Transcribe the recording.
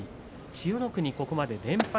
千代の国、ここまで連敗。